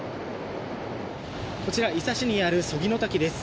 こちら伊佐市にある曽木の滝です。